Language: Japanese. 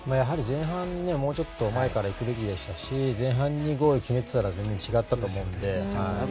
前半もうちょっと前から行くべきでしたし前半にゴールを決めてたら全然違ったと思うので。